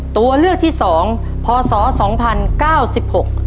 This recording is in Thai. ตัวเลือกที่สองพศสองพันเก้าสิบหก